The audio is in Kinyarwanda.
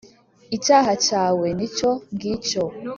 icyaha cyawe ni icyo ngicyo.